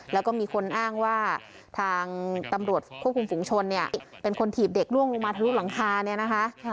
แล้วก็มีคนอ้างว่าทางตำรวจควบคุมฝุงชนเนี่ยเป็นคนถีบเด็กล่วงลงมาทะลุหลังคาเนี่ยนะคะ